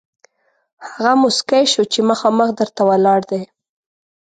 هغه موسکی شو چې مخامخ در ته ولاړ دی.